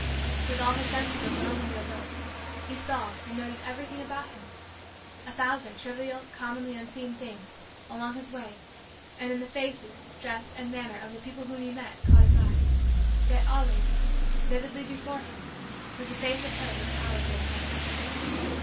With all his senses abnormally alert, he saw and noted everything about him. A thousand trivial, commonly unseen things, along his way and in the faces, dress, and manner, of the people whom he met, caught his eye. Yet, always, vividly before him, was the face of her whose power he had felt.